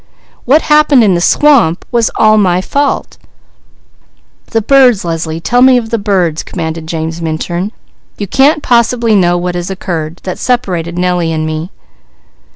What happened in the swamp was all my fault!" "The birds, Leslie, tell me of the birds," commanded James Minturn. "You can't possibly know what occurred that separated Nellie and me."